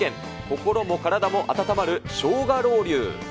心も体も温まるしょうがロウリュウ。